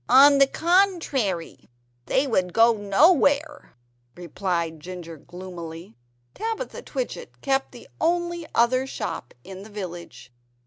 "On the contrary, they would go nowhere," replied Ginger gloomily. (Tabitha Twitchit kept the only other shop in the village.